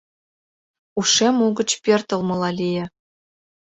Ушем угыч пӧртылмыла лие.